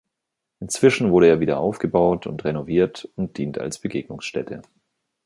Inzwischen wurde er wieder aufgebaut und renoviert und dient als Begegnungsstätte.